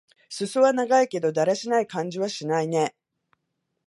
すそは長いけど、だらしない感じはしないね。